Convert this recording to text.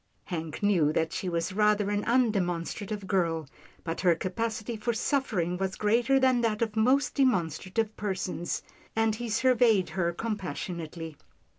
Hank knew that she was rather an undemon strative girl, but her capacity for suffering was greater than that of most demonstrative persons, and he surveyed her compassionately.